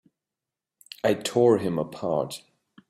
I tore him apart!